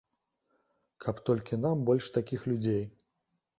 Каб толькі нам больш такіх людзей.